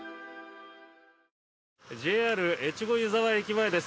ＪＲ越後湯沢駅前です。